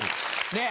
ねえ！